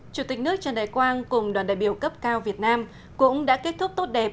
chủ tịch nước trần đại quang cùng đoàn đại biểu cấp cao việt nam cũng đã kết thúc tốt đẹp